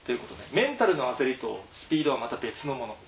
メンタルの焦りとスピードはまた別のもの。